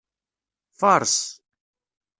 Fares.